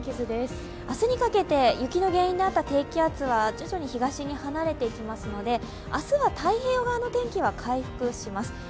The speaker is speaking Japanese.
明日にかけて、雪の原因だった低気圧は、徐々に東に離れていきますので明日は太平洋側の天気は回復します。